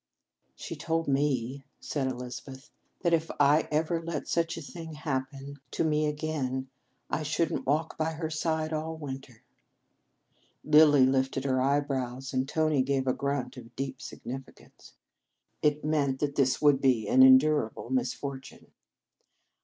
" She told me," said Elizabeth, "that if ever I let such a thing happen to 230 The Game of Love me again, I should n t walk by her side all winter." Lilly lifted her eyebrows, and Tony gave a grunt of deep significance. It meant that this would be an endurable misfortune.